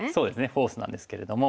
フォースなんですけれども。